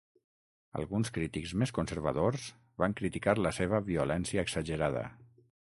Alguns crítics més conservadors van criticar la seva violència exagerada.